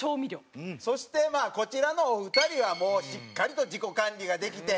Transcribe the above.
そしてこちらのお二人はもうしっかりと自己管理ができて。